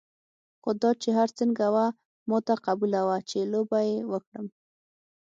خو دا چې هر څنګه وه ما ته قبوله وه چې لوبه یې وکړم.